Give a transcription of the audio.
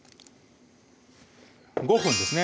５分ですね